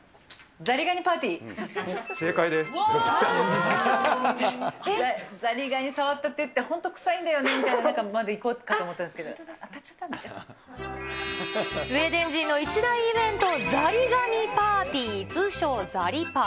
ザリガニ触った手って、本当臭いんだよねみたいなところまでいこうかと思ったんですけど、スウェーデン人の一大イベント、ザリガニパーティー、通称ザリパ。